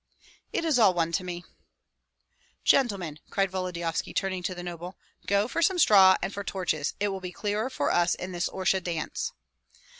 "It is all one to me." "Gentlemen!" cried Volodyovski, turning to the nobles, "go for some straw and for torches; it will be clearer for us in this Orsha dance."